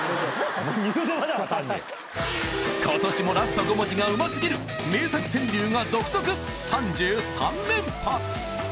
［今年もラスト５文字がうますぎる名作川柳が続々３３連発］